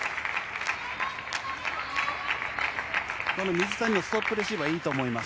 水谷のストップレシーブはいいと思います。